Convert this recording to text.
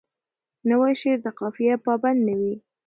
نوی شعر د قافیه پابند نه وي.